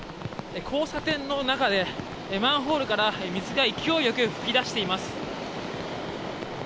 交差点の中でマンホールから水が勢いよく噴き出しています。